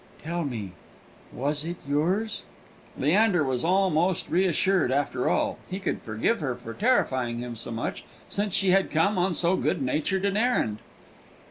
Tell me, was it yours?" Leander was almost reassured; after all, he could forgive her for terrifying him so much, since she had come on so good natured an errand.